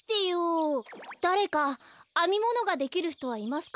だれかあみものができるひとはいますか？